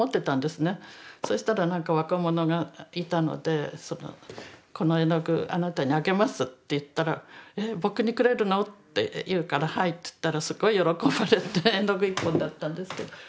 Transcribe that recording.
そしたら若者がいたので「この絵の具あなたにあげます」って言ったら「え僕にくれるの？」って言うから「はい」って言ったらすごい喜ばれて絵の具１本だったんですけど。